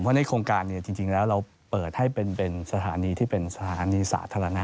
เพราะในโครงการจริงแล้วเราเปิดให้เป็นสถานีที่เป็นสถานีสาธารณะ